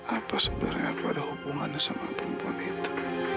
apa sebenarnya aku ada hubungannya sama perempuan itu